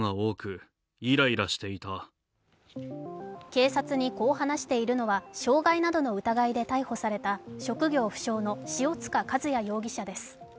警察にこう話しているのは、傷害などの疑いで逮捕された職業不詳の塩塚和也容疑者です。